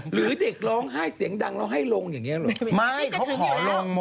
หรือเด็กร้องไห้เสียงดังแล้วให้ลงอย่างนี้หรอ